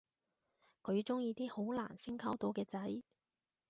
佢鍾意啲好難先溝到嘅仔